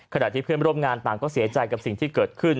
ขณะที่เพื่อนร่วมงานต่างก็เสียใจกับสิ่งที่เกิดขึ้น